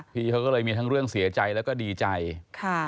พี่เขาก็เลยมีทั้งเรื่องเสียใจแล้วก็ดีใจค่ะ